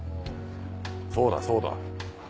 そうだそうだ。